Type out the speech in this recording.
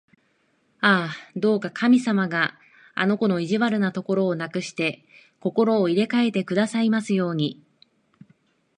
ああ、どうか神様があの子の意地悪なところをなくして、心を入れかえてくださいますように！